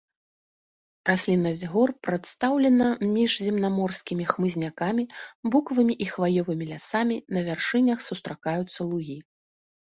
Расліннасць гор прадстаўлена міжземнаморскімі хмызнякамі, букавымі і хваёвымі лясамі, на вяршынях сустракаюцца лугі.